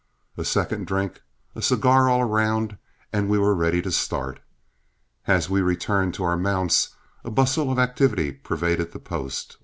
A second drink, a cigar all round, and we were ready to start. As we returned to our mounts, a bustle of activity pervaded the post.